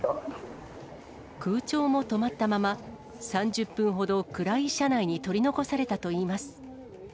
空調も止まったまま、３０分ほど暗い車内に取り残されたといいます。